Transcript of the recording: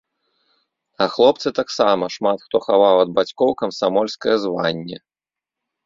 А хлопцы таксама шмат хто хаваў ад бацькоў камсамольскае званне.